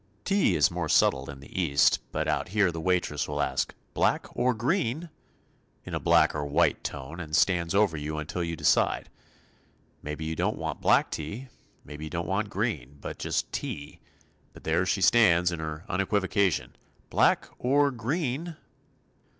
Tea is more subtle in the East, but out here the waitress will ask "Black or green" in a black or white tone and stands over you until you decide. Maybe you don't want black tea, maybe you don't want green, but just "tea," but there she stands in her unequivocation "Black or green?"